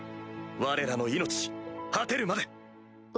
われらの命果てるまで！